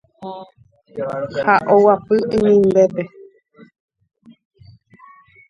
ha oguapy inimbépe.